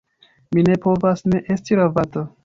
Mi ne povas ne esti ravata.